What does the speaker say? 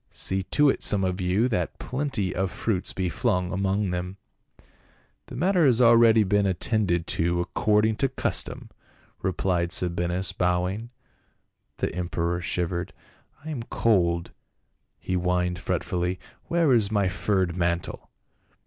See to it some of you that plenty of fruits be flung among them." " The matter has already been attended to, accord ing to custom," replied Sabinus bowing. The emperor shivered. " I am cold," he whined fretfully, " where is my furred mantle?"